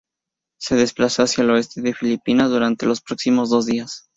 Se desplazó hacia el oeste de Filipinas durante los próximos dos días.